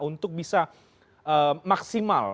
untuk bisa maksimal